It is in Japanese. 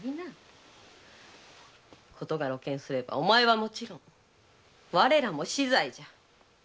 事が露見したらお前はもちろん我らも死罪じゃ。